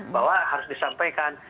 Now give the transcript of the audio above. bahwa harus disampaikan